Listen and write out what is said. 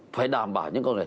phải đảm bảo những con người